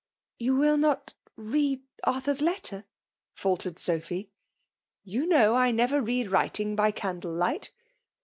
'*«* You will not read Arthur's letter ?" fid tered Sophy. " You know I never read writing by candle light.'